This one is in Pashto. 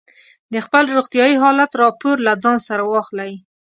د خپل روغتیايي حالت راپور له ځان سره واخلئ.